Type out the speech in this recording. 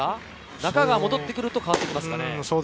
中川が戻って来ると変わってきますかね。